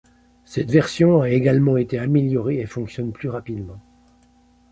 Cette version a également été améliorée et fonctionne plus rapidement.